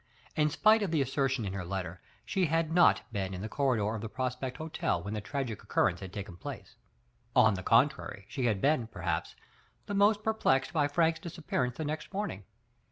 In spite of the assertion in her letter, she had not been in the corridor of the Prospect Hotel when the tragic occurrence had taken place. On the contrary, she had been, perhaps, the most perplexed by Frank's disap pearance the next morning.